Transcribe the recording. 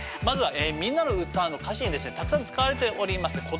まずは「みんなのうた」の歌詞にですねたくさん使われております